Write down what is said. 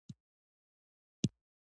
دوی له بې وزلو خلکو ملاتړ کوي.